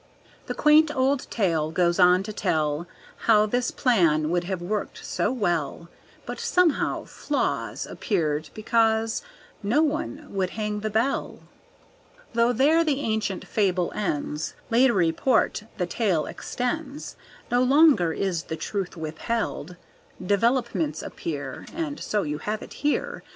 The quaint old tale goes on to tell How this plan would have worked quite well, But, somehow, flaws Appeared, because No one would hang the bell. Though there the ancient fable ends, Later report the tale extends, No longer is the truth withheld; Developments appear, And so you have it here.